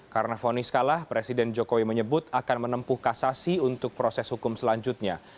karena fonis kalah presiden jokowi menyebut akan menempuh kasasi untuk proses hukum selanjutnya